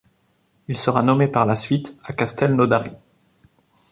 Il sera nommé par la suite à Castelnaudary.